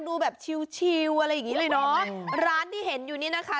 ดูแบบชิวอะไรอย่างงี้เลยเนอะร้านที่เห็นอยู่นี่นะคะ